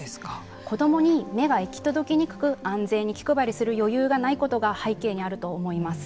子どもに目が行き届きにくく安全に気配りする余裕がないことが背景にあると思います。